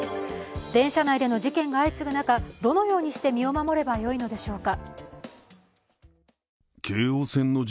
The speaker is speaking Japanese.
電車内での事件が相次ぐ中、どのようにして身を守ればよいのでしょうか。